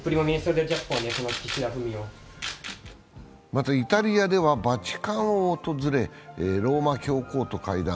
またイタリアではバチカンを訪れ、ローマ教皇と会談。